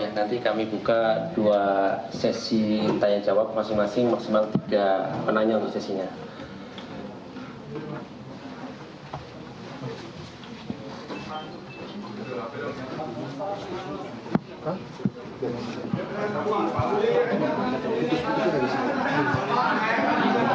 nanti kami buka dua sesi tanya jawab masing masing maksimal tiga penanya untuk sesinya